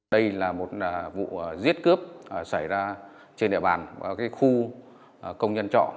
đây là một vụ giết cướp xảy ra trên địa bàn khu công nhân trọ